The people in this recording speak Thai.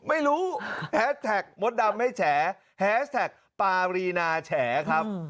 ไม่รู้แฮสแท็กมดดำไม่แฉแฮสแท็กปารีนาแฉครับ